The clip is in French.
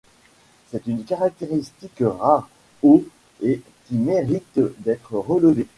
C'est une caractéristique rare au et qui mérite d'être relevée.